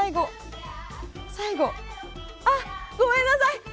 あっ、ごめんなさい。